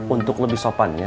untuk lebih sopan ya